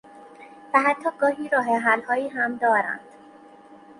و حتی گاهی راه حل هایی هم دارند